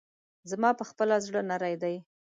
زما پخپله زړه نری دی.